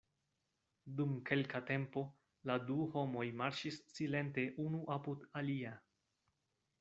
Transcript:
Dum kelka tempo la du homoj marŝis silente unu apud alia.